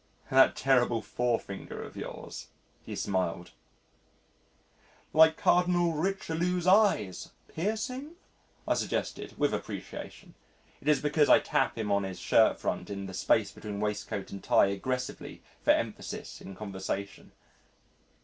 "That terrible forefinger of yours," he smiled. "Like Cardinal Richelieu's eyes piercing?" I suggested with appreciation. (It is because I tap him on his shirt front in the space between waistcoat and tie aggressively for emphasis in conversation.)